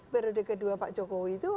periode kedua pak jokowi itu